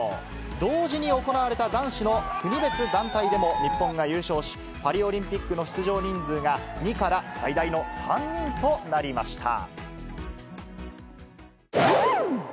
同時に行われた男子の国別団体でも日本が優勝し、パリオリンピックの出場人数が、２から最大の３人となりました。